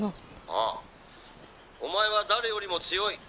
「ああお前は誰よりも強い。